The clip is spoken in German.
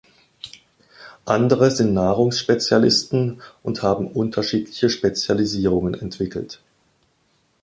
Andere sind Nahrungsspezialisten und haben unterschiedliche Spezialisierungen entwickelt.